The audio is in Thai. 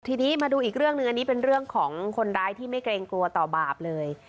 ทีนี้มาดูอีกเรื่องหนึ่งอันนี้เป็นเรื่องของคนร้ายที่ไม่เกรงกลัวต่อบาปเลย